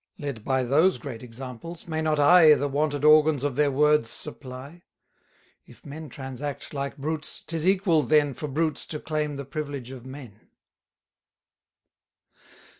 Led by those great examples, may not I The wanted organs of their words supply? If men transact like brutes, 'tis equal then For brutes to claim the privilege of men.